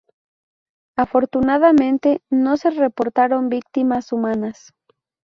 Afortunadamente, no se reportaron víctimas humanas.